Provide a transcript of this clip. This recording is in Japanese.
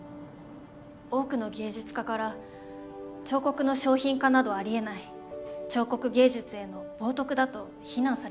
多くの芸術家から「彫刻の商品化などありえない」「彫刻芸術への冒涜だ」と非難されてしまうんです。